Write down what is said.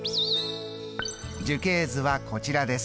樹形図はこちらです。